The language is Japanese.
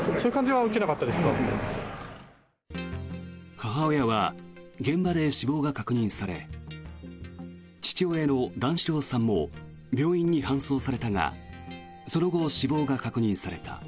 母親は現場で死亡が確認され父親の段四郎さんも病院に搬送されたがその後、死亡が確認された。